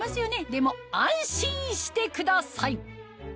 でも安心してください！